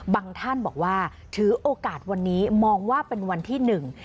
ท่านบอกว่าถือโอกาสวันนี้มองว่าเป็นวันที่หนึ่ง